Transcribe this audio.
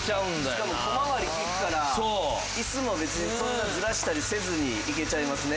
しかも小回り利くから椅子も別にそんなずらしたりせずにいけちゃいますね。